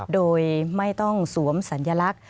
โดยไม่ต้องสวมสัญลักษณ์